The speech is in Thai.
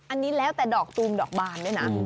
อันนี้แล้วแต่ดอกตูมดอกบานด้วยนะ